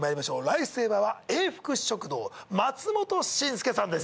ライフセイバーは永福食堂松本晋亮さんです。